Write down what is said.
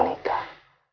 yang kita batal nikah